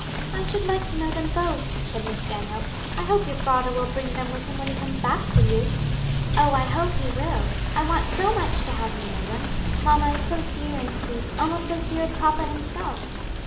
"I should like to know them both," said Miss Stanhope. "I hope your father will bring them with him when he comes back for you." "Oh, I hope he will! I want so much to have you know them. Mamma is so dear and sweet, almost as dear as papa himself.